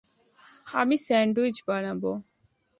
আমি স্যান্ডউইচ বানাবো।